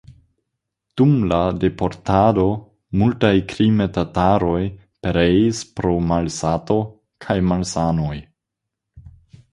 Dum la deportado multaj krime-tataroj pereis pro malsato kaj malsanoj.